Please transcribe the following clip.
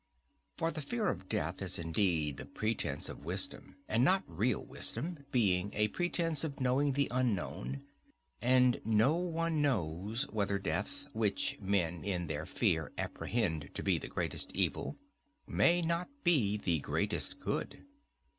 For the fear of death is indeed the pretence of wisdom, and not real wisdom, being a pretence of knowing the unknown; and no one knows whether death, which men in their fear apprehend to be the greatest evil, may not be the greatest good.